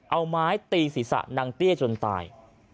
เอาไม้ตีศีรษะนางเตี้ยจนตาย